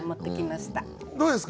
どうですか？